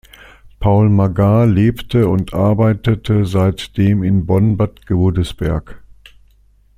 Paul Magar lebte und arbeitete seitdem in Bonn-Bad Godesberg.